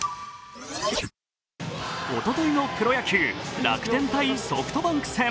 おとといのプロ野球、楽天×ソフトバンク。